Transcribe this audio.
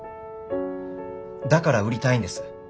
だから売りたいんです。